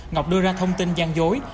ngọc đưa ra thông tin gian dối